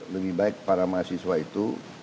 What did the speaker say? lebih baik para mahasiswa itu